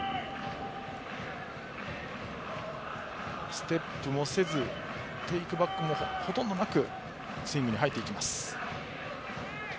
ステップもせずテイクバックもほとんどなくスイングに入っていきます。